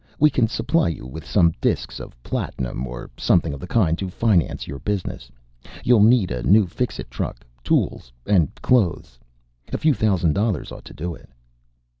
We can supply you with some discs of platinum or something of the kind to finance your business. You'll need a new Fixit truck. Tools. And clothes. A few thousand dollars ought to do it."